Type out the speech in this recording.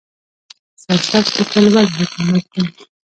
سبزک کوتل ولې خطرناک دی؟